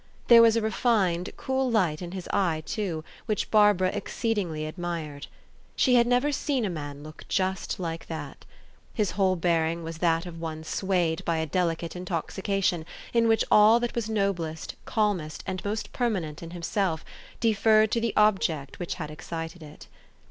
There was a refined, cool light in his eye, too, which Barbara exceedingly admired. She had never seen a man look just like that. His whole bearing was that of one swayed by a delicate intoxication, in which all that was noblest, calmest, and most permanent in himself, deferred to the ob ject which had excited it.